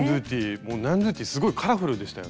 もうニャンドゥティすごいカラフルでしたよね。